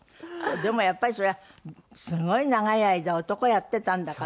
でもやっぱりそれはすごい長い間男やってたんだから。